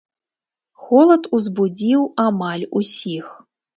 Холад узбудзіў амаль усіх.